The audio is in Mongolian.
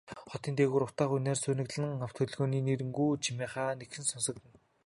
Хотын дээгүүр утаа униар суунаглан, авто хөдөлгөөний нүргээнт чимээ хаа нэгхэн сонсогдоно.